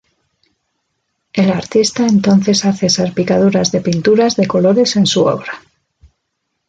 El artista entonces hace salpicaduras de pinturas de colores en su obra.